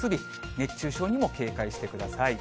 熱中症にも警戒してください。